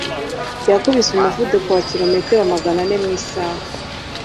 Yakubise umuvuduko wa kilometero Magana ane mu isaha